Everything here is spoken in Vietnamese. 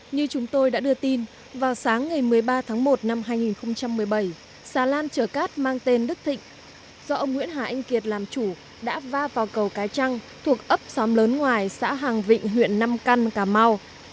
như chúng tôi đã đưa tin vào sáng ngày một mươi ba tháng một năm hai nghìn một mươi bảy xà lan chở cát mang tên đức thịnh do ông nguyễn hà anh kiệt làm chủ đã va vào cầu cái trăng thuộc ấp xóm lớn ngoài xã hàng vịnh huyện năm căn cà mau